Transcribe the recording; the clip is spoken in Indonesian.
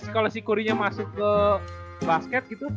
kalo si curry nya masuk ke basket gitu